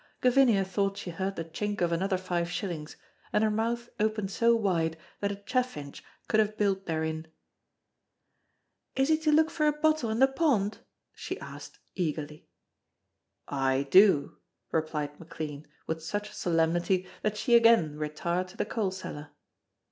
Gavinia thought she heard the chink of another five shillings, and her mouth opened so wide that a chaffinch could have built therein. "Is he to look for a bottle in the pond?" she asked, eagerly. "I do," replied McLean with such solemnity that she again retired to the coal cellar.